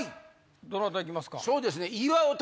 どなたいきますか？